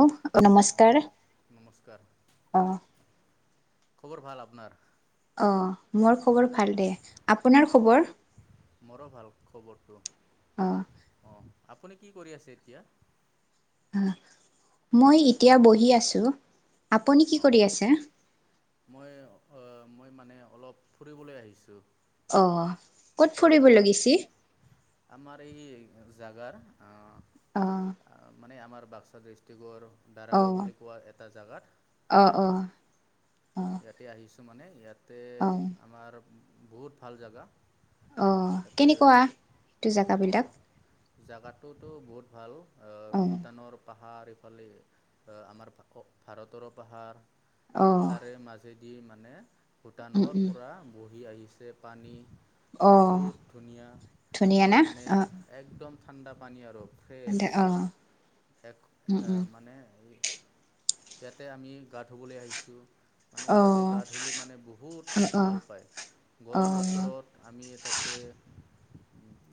অহ অঁ নমস্কাৰ। নমস্কাৰ। অ খবৰ ভাল আপোনাৰ? আহ মোৰ খবৰ ভাল দে। আপোনাৰ খবৰ? মোৰো ভাল খবৰটো অ অঁ আপুনি কি কৰি আছে এতিয়া? অ মই এতিয়া বহি আছো। আপুনি কি অঁ কৰি আছে? মই অ মই মানে অলপ ফুৰিবলৈ আহিছো। অ। ক'ত এই ফুৰিব আমাৰ লগিছি আমাৰ এই জাগাৰ অ অ মানে আমাৰ বাক্সা দিষ্ট্ৰিকৰ অ দাৰাগাঁও বুলি কোৱা এটা জেগাত অ অ অঁ ইয়াতে আহিছোঁ। মানে ইয়াত অহ। বহুত ভাল জাগা। অ কেনেকুৱা এইটো জেগাবিলাক? জাগাতোতো বহুত ভাল অ ভূটানৰ পাহ হাৰ এইফালে আমাৰ ভাৰতৰো পাহাৰ অ তাৰে মাজে দি মানে উম ভূটানৰ উম পৰা বহি আহিছে পানী। অ বহুত ধুনীয়া ধুনীয়া না মানে অ একদম ঠাণ্ডা পানী আৰু। ফ্ৰেছ অ এক উম উম মানে এই ইয়াতে আমি গা ধুবলৈ আহিছোঁ। মানে অ ইয়াতে গা ধলি মানে বহুত অ ভাল পাও অ অ গৰম বতৰত। আমি তাতে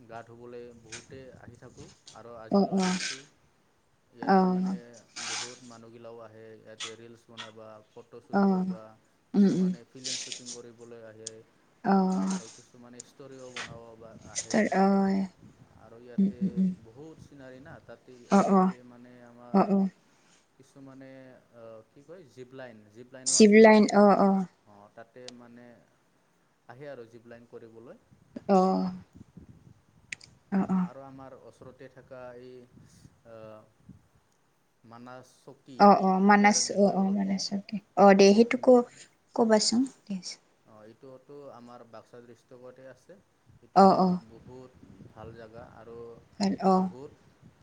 গা ধুবলৈ বহুতে আহি থাকোঁ। আৰু অ আজিও অ অ আহিছো ইয়াতে মানে বহু বহুত মানুহগিলাও আহে ইয়াতে ৰিলচ বনাই যায়। অ ফটোশ্বুট কৰিবা উম কিছুমানে ফিল্ম শ্বুটিং কৰিবলৈ আহে। অঁ। ষ্টৰি' বনাব বা আহে অহ, উম উম উম। চিনাৰি না তাতে ইয়াতে মানে আমাৰ কিছুমানে অ কি কয় জীপ লাইন জিপ লাইনো চিভ আছে লাইন অহ অহ। অঁ তাতে মানে আহে আৰু জীপ লাইন কৰিবলৈ। অহ আৰু আমাৰ ওচৰতে থকা এই মানাছ চকী অহ অহ ইয়াৰ মানছ অহ বিষয়ে অহ অলপ কওঁ মানছক অকে দে সেইটো ক কবাচোন অ এইটোতো আমাৰ বাক্সা ডিষ্ট্ৰিকতে আছে সেইটো বহুত ভাল জাগা আৰু অহ অহ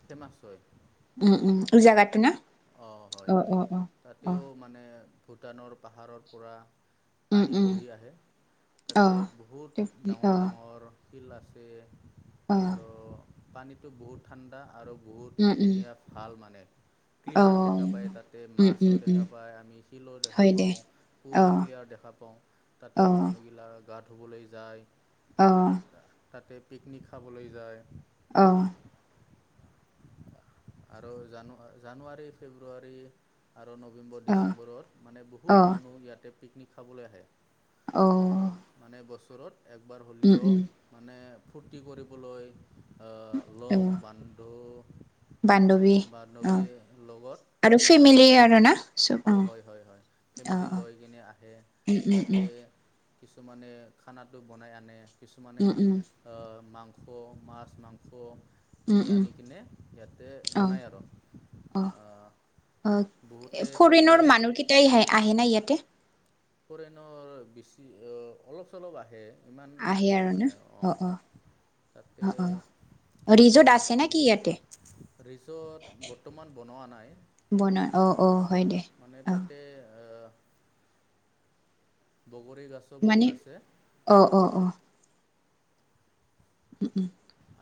সে মাছই উম উম উজাগাটো না অ হয় হয় তাতেও মানে ভূটানৰ পাহাৰৰ পৰা পানী বহি আহে তাতে বহুত ডাঙৰ ডাঙৰ শিল আছে। অ আৰু পানীটো বহুত ঠাণ্ডা আৰু বহুত ধুনীয়া ভাল মানে। ক্লিয়াৰ দেখা পায় তাতে মাছো দেখা পায় আমি শিলো দেখা হয় পাওঁ পুৰা ক্লিয়াৰ দেখা পাওঁ। তাতে মানুহগিলাক গা ধুবলৈ যায়। আহ তাতে পিকনিক খাবলৈ যায়। অহ আৰু জান জানুৱাৰী, ফেব্ৰুৱাৰী আৰু নৱেম্বৰ ডিচেম্বৰত মানে বহুত মানুহ ইয়াতে পিকনিক খাবলৈ আহে। অ' ওচৰত একবাৰ হ'লিও মানে ফূৰ্তি কৰিবলৈ লগ বান্ধো বান্ধৱীৰ লগত আৰু ফেমিল মানে আৰু না চব অঁ হয় হয় হয় অঁ ফেমিলি অঁ লৈ কিনে আহে ইয়াতে কিছুমানে খানা টো বনাই আনে কিছুমানে আহ মাংস খ মাছ মাংস উম কিনি উম আনি কিনে ইয়াতে অ বনায় আৰু। অ অহ বহুতে তাতে ফৰেনৰ মানুহ কেইটাই আহে নাই ইয়াতে ফৰেনৰ বেছি অ অলপ চলপ আহে। ইমান আহে নাহে আৰু না মানে অ অ অঁ তাতে অ অ ৰিজুত আছে নে কি ইয়াতে ৰিজৰ্ট বৰ্তমান বনোৱা নাই। বনৰ অঁ অঁ হয় দে মানে অঁ। তাতে বগৰী গাছো মানে বহুত আছে। অ অ উম উম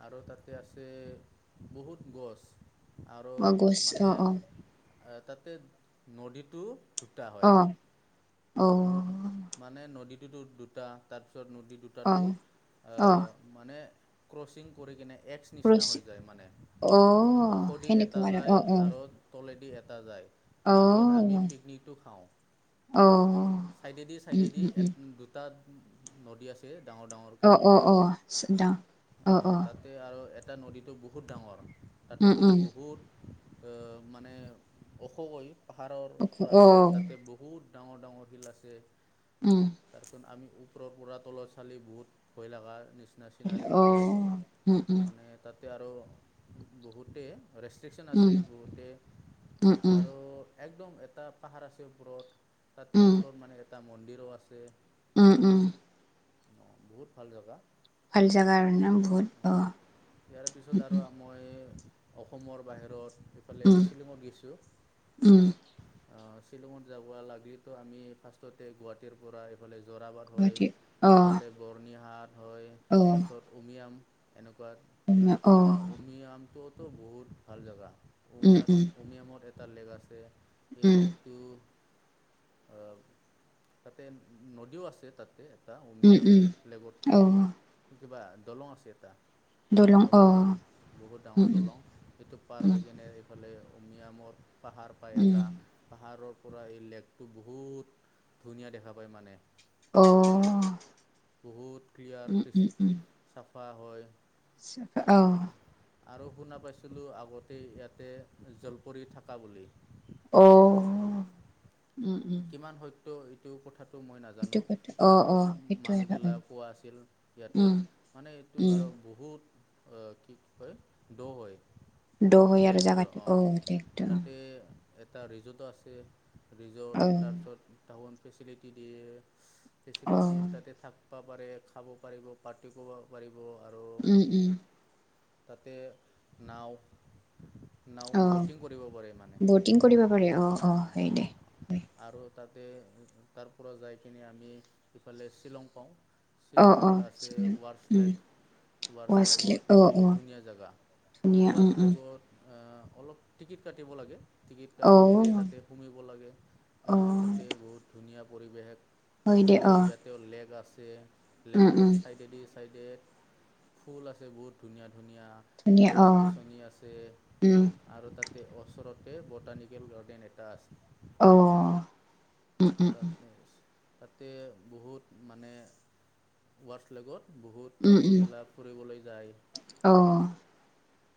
আৰু তাতে আছে বহুত গছ আৰু অ গছ মানে অ অ আহ তাতে নদীটো দুটা অ হয় অ ন মানে নদীটোতো দুটা তাত নদী অ দুটাটো অ মানে ক্ৰচিন কৰি কিনে এক্স নিচিনা ক্ৰচ হৈ যায় মানে অ ঔষধি এটা সেনেকুৱা আৰু অ যায় অ আৰু তলেত এটা যায় অ মাজত আমি পিকনিকটো খাওঁ। অ চাইডেদি উম চাইডেদি উম এ উম দুটা নদী আছে। অ অ অ চদা অ তাতে আৰু এটা নদীটো বহুত ডাঙৰ তাতেতো বহুত মানে অশখৈ পাহাৰৰ পৰা আহে তাতে বহুত ডাঙৰ ডাঙৰ শিল আছে তাৰপিছত আমি ওৰৰ পৰা তলত চালি বহুত ভয় লগা নিচিনা চিনাৰী হৈ যায় মানে তাত। তাতে আৰু বহুতেই ৰেষ্ট্ৰিকচন আছে বহুতে আৰু একদম এটা পাহাৰ আছে ওপৰত তাতে ওপৰত মানে এটা মন্দিৰো আছে উম উম অ বহুত ভাল জেগা ভাল জাগা আৰু ন অ ইয়াৰ পিছত আৰু মই অসমৰ বাহিৰত এইফালে শ্বিলঙত গৈছো শ্বিলঙত যাব লাগেতো আমি ফাৰ্ষ্টতে গুৱাহাটীৰ পৰা এইফালে জোৰাবাট হয় ইফালে বৰ্ণিহাট হয় তাৰপিছত উমিয়াম এনেকোৱা উমিয়ামটোতো বহুত ভাল জেগা উমিয়াত উমিয়ামত এটা লেক আছে সেই লেকটো অহ তাতে নদীও আছে তাতে এটা উম উমিয়াম লেকত উম অ কিবা দলং আছে এটা দলং বহুত ডাঙৰ দলং সেইটো পাৰ হৈ কিনে এইফালে উমিয়ামৰ পাহাৰ পায় এটা পাহাৰৰ পৰা এই লেকটো বহুত ধুনীয়া দেখা পায় মানে অ' বহুত ক্লিয়াৰ চাফা হয় অ আৰু শুনা পাইছিলোঁ আগতে ইয়াতে জলপৰি থকা বুলি অ কিমান সত্য এইটো কথাত টো মই নাজানো আগত মানুহবিলাকো আছিল ইয়াতে মানে এইটো আৰু বহুত অ কি কয় দ' হয় দ' আৰু লেকটো জাগটো অ অঁ একদম তাতে এটা ৰিজৰ্টো আছে ৰিজৰ্ট অ তাৰপিছত টাউন ফেচিলিটি দিয়ে অ ফেচিলিটি তাতে থাকিব পাৰে খাব পাৰিব পাৰ্টি কৰিব পাৰিব আৰু উম উম তাতে নাওঁ অ বটিং কৰিব পাৰে অ অ সেই দে হয় ত তাতে তাৰ পৰা যাই কিনে আমি ইফালে শ্বিলং পাওঁ অ অ শ্বিলঙত আছে উম ৱাৰছলেক ৱাছলি ৱাৰছলেগত অ অ বহুত ধুনীয়া জেগা ধুনীয়া উম উম ৱাৰছলেগত অলপ টিকেট কাটিব লাগে টিকেট অ কাটিকেনে তাতে সোমাব লাগে অ তাতে বহুত ধুনীয়া পৰিৱেশ হয় দে এইফালে অ ইয়াতেও লেক আছে উম লেকৰ উম চাইডেদি চাইডে ফুল আছে বহুত ধুনীয়া ধুনীয়া ধুনীয়া অ গছ গছনি আছে উম আৰু তাত ওচৰতে বটানিকেল গাৰৰ্ডেন এটা আছে অ উম অ উম তাত তাতে বহুত মানে ৱাৰছলেগত বহুত উম কপোল উম গিলা ফুৰিবলৈ যায় অ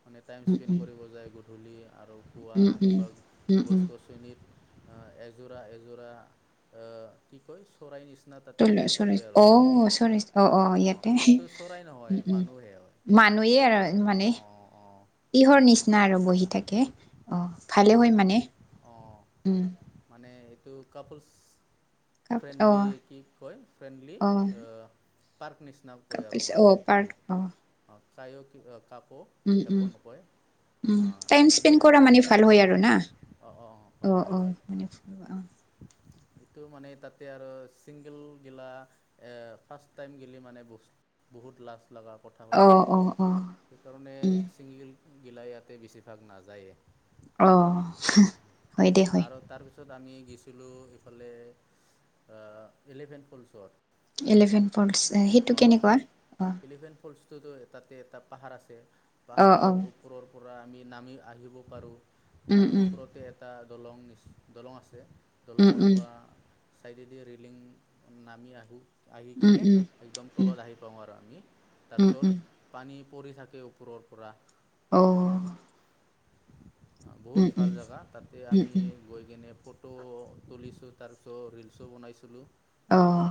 মানে টাইম উম স্পেণ্ড উম কৰিব যায় গধূলি আৰু খুৱা উম উম এনেকোৱা উম উম গছ গছনিত অ এযোৰা এযোৰা আ কি কয় চৰাই নিচিনা তাতে বহি থাকে আৰু অ অ অঁ ইয়াতে এইটো চৰাই নহয় উম উম মানুহে হয় মানুহেই আৰু মানে অঁ অঁ ইহৰ নিচিনা আৰু বহি থাকে অ ভালে হয় মানে অ উম মানে এইটো কাপিলছ কাপ অঁ ফ্ৰেণ্ডলি কি কয় ফ্ৰেণ্ডলী অঁ পাৰ্ক নিচিনা কয় আৰু কাপলছ মানে অঁ এইটো পাৰ্ক অঁ অ কায়ো কাকো একো নকই উ টাইম স্পেণ্ড কৰা মানে ভাল হয় আৰু না অঁ অঁ অ হয় হয় অ হয় মানে অ এইটো মানে তাতে আৰু ছিংগল গিলা ফাৰ্ষ্ট টাইম গেলি মানে বস্ত বহুত লাজ লগা কথা হৈ অঁ যায় অঁ অঁ অঁ, সেইকাৰণে উম ছিংগল গিলা ইয়াতে বেছিভাগ নাযায়ে অ হয় দে হয় আৰু তাৰপিছত আমি গৈছিলোঁ এইফালে ইলেভেন ফল্ছত ইলেভেন ফল্টছ সেইটো কেনেকুৱা অ ফল্ছত তাতে এটা পাহাৰ আছে অঁ অঁ পাহাৰৰ ওপৰৰ পৰা আমি নামি আহিব পাৰোঁ উম উম ওপৰতে এটা দলং দলং আছে উম দলঙৰ উম পৰা চাইডেডি ৰেলিং নামি আহো আহি উম কেনে উম উম একদম তলত আহি পাওঁ আৰু আমি উম উম তাৰপিছত পানী পৰি থাকে ওপৰৰ পৰা। অ' বহুত ভাল জেগা তাতে উম আমি উম গৈ কেনে ফত। ফটো তুলিছো তাৰপিছত ৰিলচো বনাইছিলোঁ। আহ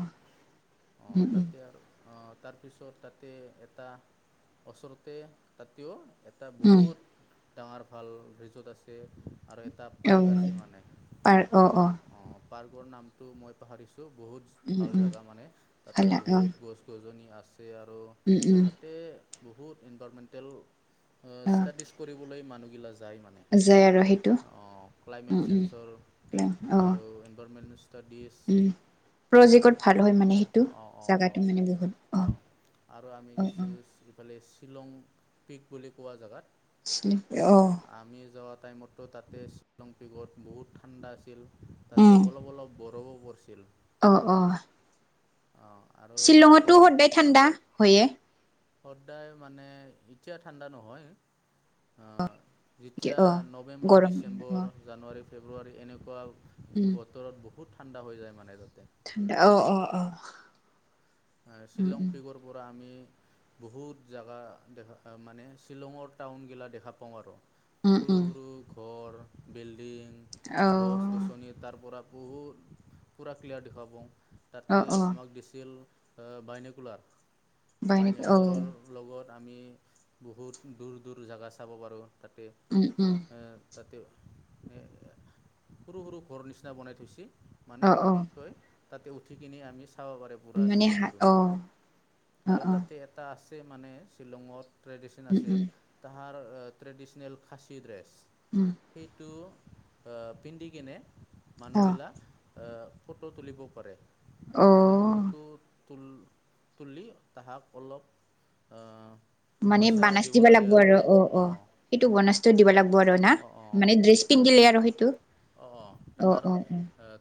অ তাতে আৰু অ। তাৰপিছত তাতে এটা ওচৰতে তাতেও। এটা উম বহুত ডাঙৰ ভাল ৰিজৰ্ট আছে। আৰু এটা অঁ পাৰ্ক আছে মানে, অঁ পাৰ্কৰ নামটো মই পাহৰিছোঁ। টো বহুত উম ভাল উম জেগা মানে তাতে ভাল অঁ বহুত গছ- গছনি আছে। আৰু উম উম তাতে বহুত ইনভাইৰমেণ্টেল অঁ ষ্টাডিজ কৰিবলৈ মানুহ বিলাক যায় মানে যায় আৰু সেইটো অঁ ক্লাইমেট উম উম চেঞ্চৰ অ আৰু ইনভাইৰমেণ্ট উম প্ৰজেক ভাল হয় মানে সেইটো অঁ অঁ অঁ জেগাটো মানে বহুত অঁ আৰু আমি অঁ অঁ কিছু অঁ ইফালে শ্বিলং পিক বুলি কোৱা জেগাত। অঁ আমি যোৱা টাইমতো তাতে শ্বিলং পিকত বহুত ঠাণ্ডা আছিল তাতে অলপ অলপ বৰ পৰছিল। অহ অহ অঁ আৰু তাতে শ্বিলঙততো সদায় ঠাণ্ডা হয়ে। সদায় মানে এতিয়া ঠাণ্ডা নহয় আহ। যেতিয়া অ নৱেম্বৰ, গৰম অ ডিচেম্বৰ, জানুৱাৰী, ফেব্ৰুৱাৰী এনেকুৱা উম বতৰত ব বহুত ঠাণ্ডা হৈ যায় মানে তাতে ঠাণ্ডা অ অ অ উম শ্বিলং উম পিগৰ পৰা আমি বহুত জেগা দেখা মানে শ্বিলঙৰ টাউনগিলা দেখা পাওঁ আৰু। উম সৰু উম সৰু ঘৰ, বিল্ডিং, অ গছ -গছনি তাৰ পৰা বহু পুৰা ক্লিয়াৰ দেখা পাওঁ অ তাতে অ আমাক দিছিল। বাইনেকুলাৰ, বাই নেকি অ বাইনেকুলাৰৰ লগত আমি বহুত দূৰ দূৰ জেগা চাব পাৰোঁ তাতে, উম উম তাতে এ সৰু সৰু ঘৰ নিচিনা বনাই থৈছে অ মানে অ কি কয় তাতে উঠি কিনি আমি চাব পাৰে পুৰা শ্বিলং। অঁ অঁ অঁ এটা আছে মানে শ্বিলঙত ট্ৰেডিশন উম আছে উম তাহাৰ ট্ৰেডিচনেল খাছী ড্ৰেছ উম সেইটো পিন্ধি কিনে মানুহ অ বিলাক ফটো তুলিব পাৰে, মানে অ ফটো তুল-তুলি তাহাক অলপ মানে পইচা বানাচ দিব দিবা লাগে লাগব আৰু, অঁ অ' অ' অঁ সিটো বানাচটো দিবা লাগিব আৰু না, মানে ড্ৰেছ পিন্ধিলে আ অ সিটো। অ', তাহাৰ অ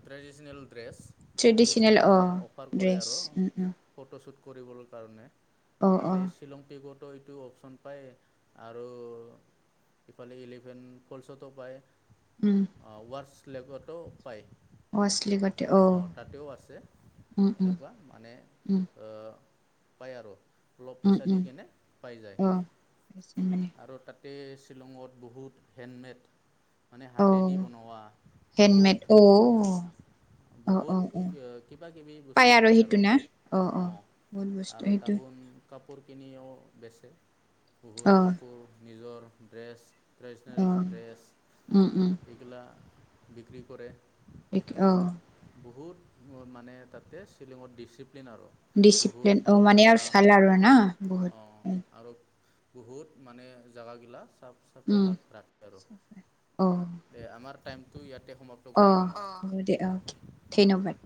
ট্ৰেডিচনেল ড্ৰেছ, সেইটো ট্ৰেডিচনেল অ মানে অফাৰ কৰে ড্ৰেছ আৰ উম উম ফটোশ্বুট কৰিবৰ কাৰণে। অ অ তাতে শ্বিলং পিকতো ইটো অপচন পায় আৰু ইফালে ইলিফেনট কলচতো পায়। উম। অ', ৱাৰছ লেকত পায়। ৱাৰচ লে অ', তাতেও আছে উম উম এনেকুৱা মানে উম আ পায় আৰ অলপ উম পইচা দি উম কেনে পাই যায়। অ মানে আৰ তাত তে শ্বিলঙত বহুত হেণ্ডমেড, মানে অ হাতেদি বনোৱা হেণ্ডমেট বহুত অ। অ বহুত অ অ কিবা কিবি বস্তু পাই আৰু অঁ। মূল বস্তু আৰু সেইটো- তাহোন কাপোৰ কিনিও বেচে অ বহুত কাপোৰ নিজৰ ড্ৰেছ- অ ট্ৰেডিচনেল উম উম ড্ৰেছ এইগিলা বিক্ৰী কৰে। এ অ। বহুত মানে তাতে শ্বিলঙত ডিচি ডিচিপ্লিন অঁ মানে আৰু ভাল আৰু না অঁ বহুত। আৰু বহুত মানে জেগাগিলা চাফ চাফাই উম ৰাখে আৰু। অ', দে আমাৰ টাইমটো ইয়াত- অ হ'ব দে অ ধন্যবাদ।